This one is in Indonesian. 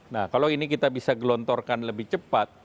nah kalau ini kita bisa gelontorkan lebih cepat